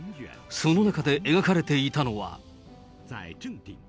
その中で描かれていたのは。